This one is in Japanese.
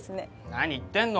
何言ってんの。